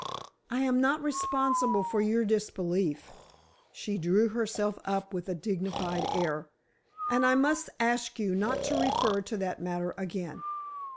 "I am not responsible for your disbelief," she drew herself up with a dignified air. "And I must ask you not to refer to that matter again."